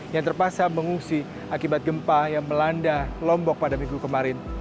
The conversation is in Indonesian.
yang terpaksa mengungsi akibat gempa yang melanda lombok pada minggu kemarin